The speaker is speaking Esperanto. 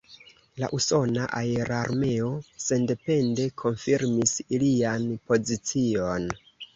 La Usona Aerarmeo sendepende konfirmis ilian pozicion.